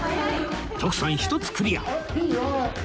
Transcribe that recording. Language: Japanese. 徳さん１つクリア